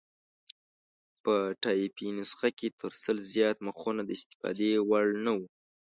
په ټایپي نسخه کې تر سل زیات مخونه د استفادې وړ نه وو.